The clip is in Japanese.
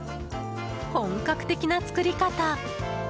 本格的な作り方！